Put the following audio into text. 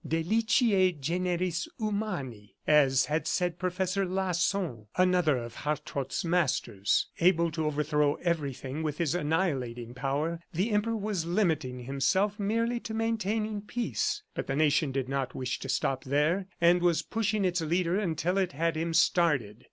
"Deliciae generis humani," as had said Professor Lasson, another of Hartrott's masters. Able to overthrow everything with his annihilating power, the Emperor was limiting himself merely to maintaining peace. But the nation did not wish to stop there, and was pushing its leader until it had him started.